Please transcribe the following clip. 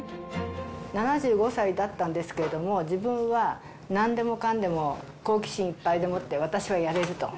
７５歳だったんですけれども、自分はなんでもかんでも好奇心いっぱいでもって私はやれると。